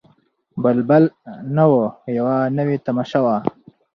بلبل نه وو یوه نوې تماشه وه